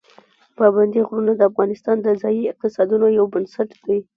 پابندي غرونه د افغانستان د ځایي اقتصادونو یو بنسټ دی.